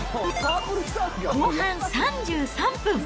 後半３３分。